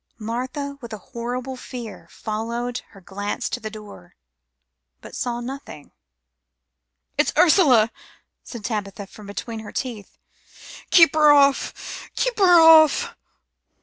Martha, with a horrible fear, followed her glance to the door, but saw nothing. "It's Ursula," said Tabitha from between her teeth. "Keep her off! Keep her off!"